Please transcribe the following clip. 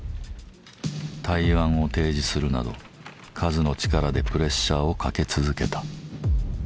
対案を提示するなど数の力でプレッシャーをかけ続けた。